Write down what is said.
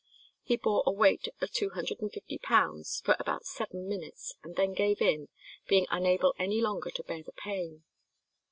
He bore a weight of 250 pounds for about seven minutes, and then gave in, being unable any longer to bear the pain.